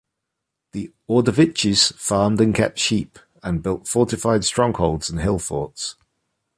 The Ordovices farmed and kept sheep, and built fortified strongholds and hill forts.